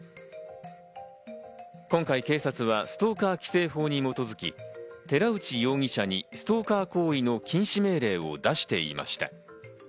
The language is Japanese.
今回、警察はストーカー規制法に基づき、寺内容疑者にストーカー行為の禁止命令を出していました。